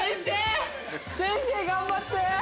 先生頑張って！